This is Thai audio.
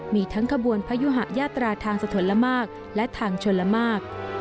มีทั้งขบวนพยุหะยาตราทางสะทนละมากและทางชนละมาก